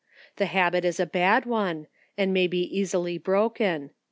The habit is a bad one, ami may be easily broken.